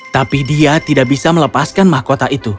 tapi dia tidak bisa melepaskan mahkota itu